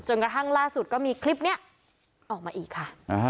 กระทั่งล่าสุดก็มีคลิปนี้ออกมาอีกค่ะ